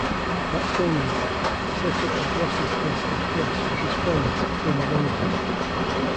That same year, he set up the Grosseteste Press with his friend Tim Longville.